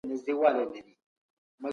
اوس مهال هېواد د سوکالۍ پر لور روان دی.